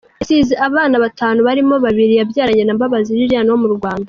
Yasize abana batanu barimo babiri yabyaranye na Mbabazi Lilian wo mu Rwanda.